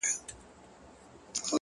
هر ګام د منزل برخه ده!